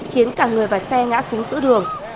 khiến cả người và xe ngã xuống sữa đường